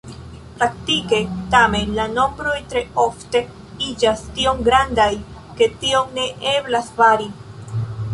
Praktike, tamen, la nombroj tre ofte iĝas tiom grandaj, ke tion ne eblas fari.